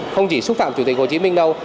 không chỉ xúc phạm chủ tịch hồ chí minh đâu